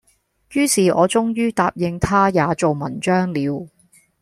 于是我終于答應他也做文章了，